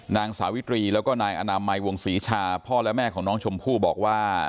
นางสาวิตรีแล้วก็นายอนามัยวงศรีชาพ่อและแม่ของน้องชมพู่บอกว่า